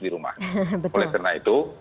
di rumah oleh karena itu